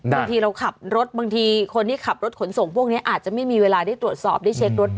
บางทีเราขับรถบางทีคนที่ขับรถขนส่งพวกนี้อาจจะไม่มีเวลาได้ตรวจสอบได้เช็ครถนะ